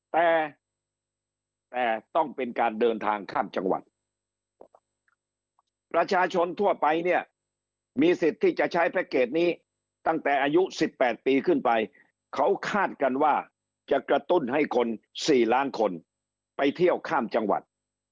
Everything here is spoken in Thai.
แต่แต่ต้องเป็นการเดินทางข้ามจังหวัดประชาชนทั่วไปเนี่ยมีสิทธิ์ที่จะใช้แพ็คเกจนี้ตั้งแต่อายุ๑๘ปีขึ้นไปเขาคาดกันว่าจะกระตุ้นให้คน๔ล้านคนไปเที่ยวข้ามจังหวัด